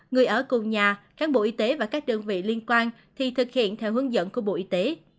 người ở cùng nhà cán bộ y tế và các đơn vị liên quan thì thực hiện theo hướng dẫn của bộ y tế